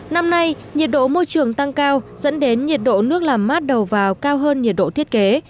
năm nay nhiệt độ môi trường tăng cao dẫn đến nhiệt độ nước làm mát đầu vào cao hơn nhiệt độ thiết kế